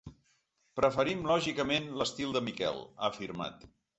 “Preferim lògicament l’estil de Miquel”, ha afirmat.